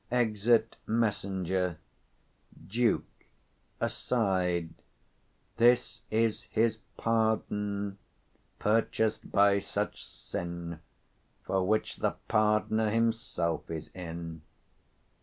[Exit Messenger. Duke. [Aside] This is his pardon, purchased by such sin For which the pardoner himself is in.